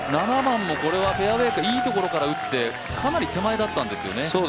７番もこれフェアウエーいいところから打ってかなり手前だったんですよね。